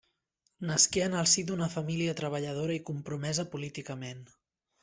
Nasqué en el si d'una família treballadora i compromesa políticament.